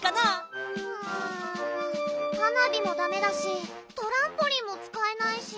うん花火もダメだしトランポリンもつかえないし。